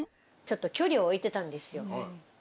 ちょっと距離を置いてたんですよ。